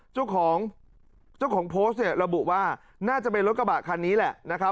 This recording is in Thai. เจ้าของโพสต์ระบุว่าน่าจะเป็นรถกระบะคันนี้แหละ